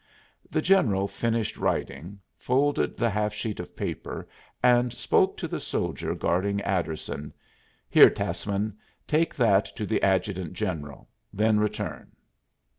The general finished writing, folded the half sheet of paper and spoke to the soldier guarding Adderson: "Here, Tassman, take that to the adjutant general; then return."